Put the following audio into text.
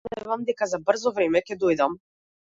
Се надевам дека за брзо време ќе дојдам.